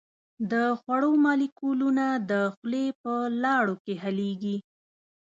د خوړو مالیکولونه د خولې په لاړو کې حلیږي.